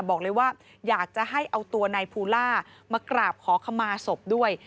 บอกเลยว่าอยากจะให้เอาตัวนายภูล่ามากราบขอขมาศพด้วย